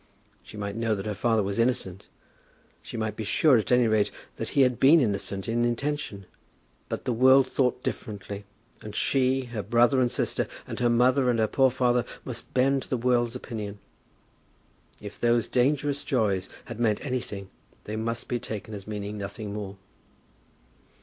She might know that her father was innocent; she might be sure, at any rate, that he had been innocent in intention; but the world thought differently, and she, her brother and sister, and her mother and her poor father, must bend to the world's opinion. If those dangerous joys had meant anything, they must be taken as meaning nothing more.